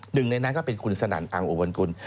หนึ่งในนั้นก็คุณศนั่นอังอุบันกุล